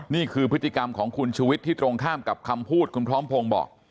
นี่คือพฤติกรรมของคุณชุวิตที่ตรงข้ามกับคำพูดคุณพร้อมพงศ์บอก